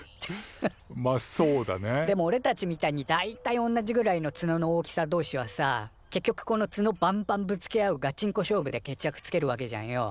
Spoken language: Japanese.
でもおれたちみたいに大体おんなじぐらいのツノの大きさ同士はさ結局このツノバンバンぶつけ合うガチンコ勝負で決着つけるわけじゃんよ。